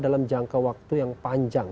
dalam jangka waktu yang panjang